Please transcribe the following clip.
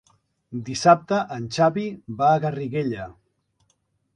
Dissabte en Xavi va a Garriguella.